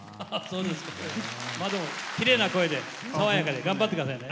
きれいな声で爽やかで頑張ってくださいね。